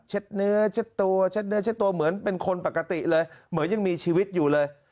เนื้อเช็ดตัวเช็ดเนื้อเช็ดตัวเหมือนเป็นคนปกติเลยเหมือนยังมีชีวิตอยู่เลย